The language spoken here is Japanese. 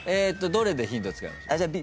どれでヒント使いましょう？